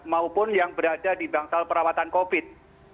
maupun yang berada di bangsal perawatan covid